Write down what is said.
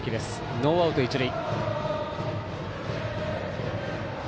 ノーアウト、一塁。